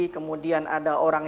kemudian ada orang